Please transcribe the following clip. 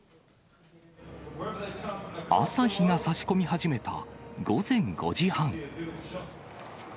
朝日がさし込み始めた午前５時半。